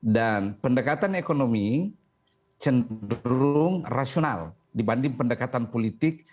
dan pendekatan ekonomi cenderung rasional dibanding pendekatan politik